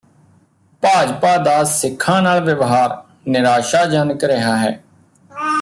ਭਾਜਪਾ ਦਾ ਸਿੱਖਾਂ ਨਾਲ ਵਿਵਹਾਰ ਨਿਰਾਸ਼ਾਜਨਕ ਰਿਹਾ ਹੈ